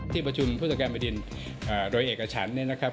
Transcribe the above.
ที่ประชุมผู้ตรวจการแผ่นดินโดยเอกชั้นนะครับ